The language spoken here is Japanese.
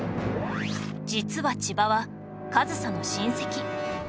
実は千葉は上総の親戚